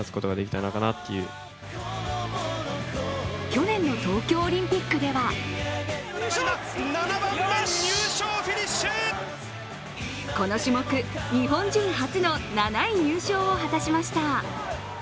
去年の東京オリンピックではこの種目、日本人初の７位入賞を果たしました。